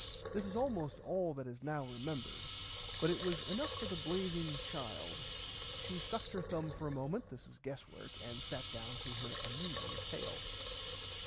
This is almost all that is now remembered, but it was enough for the blazing child. She sucked her thumb for a moment (this is guesswork), and sat down to her amazing tale.